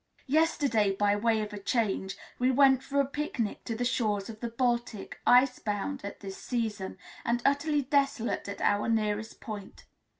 Yesterday, by way of a change, we went for a picnic to the shores of the Baltic, ice bound at this season, and utterly desolate at our nearest point.